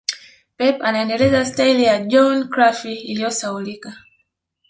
pep anaendeleza staili ya Johan Crufy iliyosahaulika